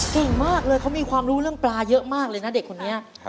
เก่งมากเลยเขามีความรู้เรื่องปลาเยอะมากเลยนะเด็กคนนี้